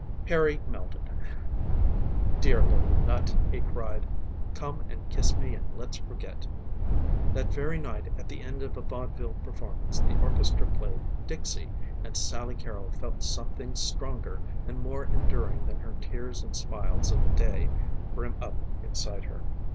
Harry melted. "Dear little nut!" he cried. "Come and kiss me and let's forget." That very night at the end of a vaudeville performance the orchestra played "Dixie" and Sally Carrol felt something stronger and more enduring than her tears and smiles of the day brim up inside her.